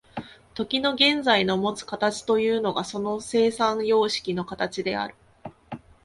時の現在のもつ形というのがその生産様式の形である。